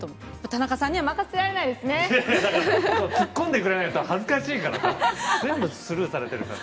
だから突っ込んでくれないと、恥ずかしいからさ、全部スルーされてるから。